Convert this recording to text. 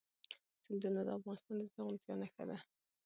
سیندونه د افغانستان د زرغونتیا نښه ده.